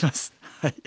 はい。